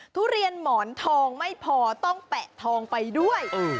ทุเรียนหมอนทองไม่พอต้องแปะทองไปด้วย